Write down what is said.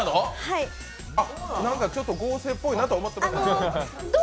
ちょっと合成っぽいなとは思ってたけど。